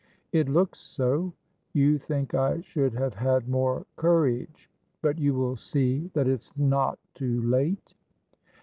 "It looks so. You think I should have had more courage. But you will see that it's not too late."